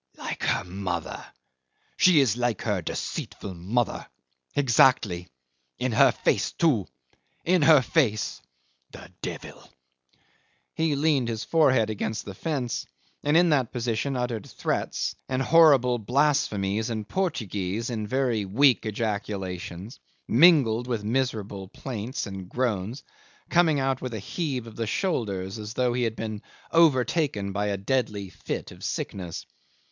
"Like her mother she is like her deceitful mother. Exactly. In her face, too. In her face. The devil!" He leaned his forehead against the fence, and in that position uttered threats and horrible blasphemies in Portuguese in very weak ejaculations, mingled with miserable plaints and groans, coming out with a heave of the shoulders as though he had been overtaken by a deadly fit of sickness.